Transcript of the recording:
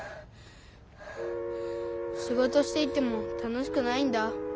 しごとしていても楽しくないんだ。